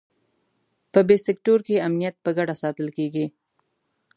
په بي سیکټور کې امنیت په ګډه ساتل کېږي.